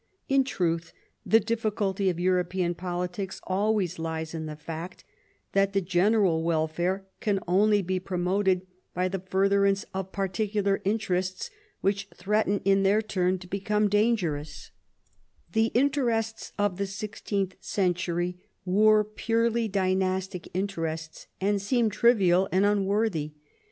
In truth, the difficulty of European politics always lies in the fact that the general welfare can only be promoted by the furtherance of particular interests, which threaten in their turn to become dangeroua The interests of the sixteenth century were purely dynastic interests, and seem trivial and unworthy.